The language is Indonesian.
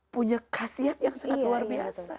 punya khasiat yang sangat luar biasa